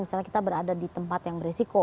misalnya kita berada di tempat yang beresiko